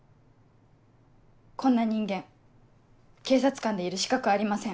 こんな人間警察官でいる資格ありません。